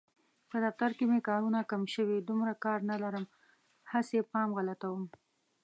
په دفتر کې مې کارونه کم شوي، دومره کار نه لرم هسې پام غلطوم.